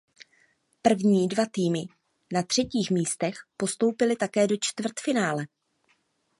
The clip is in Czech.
První dva týmy na třetích místech postoupily také do čtvrtfinále.